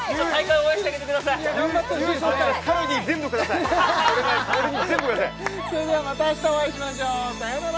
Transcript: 俺に全部くださいそれではまた明日お会いしましょうさよなら